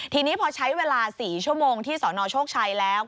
ทีนี้พอใช้เวลา๔ชั่วโมงที่สนโชคชัยแล้ว